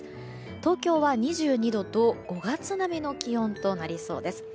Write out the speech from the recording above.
東京は２２度と５月並みの気温となりそうです。